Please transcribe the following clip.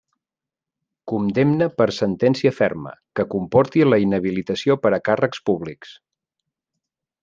Condemna per sentència ferma, que comporti la inhabilitació per a càrrecs públics.